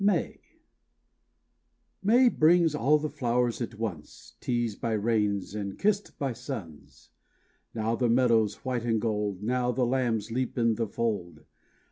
May brings all the flowers at once, Teased by rains and kissed by suns; Now the meadows white and gold; Now the lambs leap in the fold.